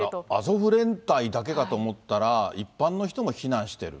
アゾフ連隊だけかと思ったら、一般の人も避難してる。